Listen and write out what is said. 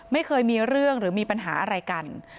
ไม่เคยมีเรื่องหรือมีปัญหาอะไรกัน